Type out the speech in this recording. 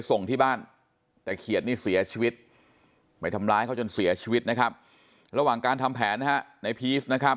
เสียชีวิตไปทำร้ายเขาจนเสียชีวิตนะครับระหว่างการทำแผนนะฮะในพีสนะครับ